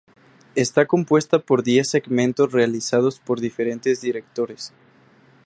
Está compuesta por diez segmentos realizados por diferentes directores.